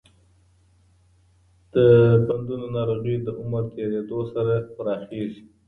د بندونو ناروغي د عمر تېریدو سره پراخېږي.